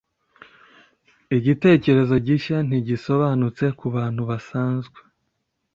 igitekerezo gishya ntigisobanutse kubantu basanzwe